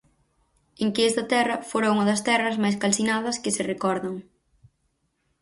En que esta terra fora unha das terras máis calcinadas que se recordan.